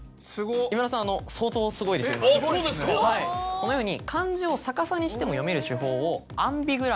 このように。